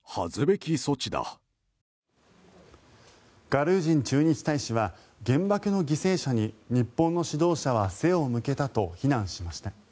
ガルージン駐日大使は原爆の犠牲者に日本の指導者は背を向けたと非難しました。